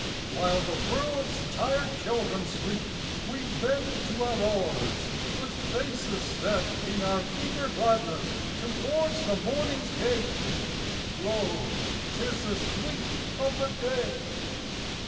55 While the world's tired children sleep we bend to our oars with faces Set in our eager gladness towards the morning's gate; Lo, 'tis the sweet of the day